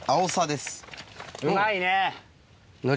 うまいね。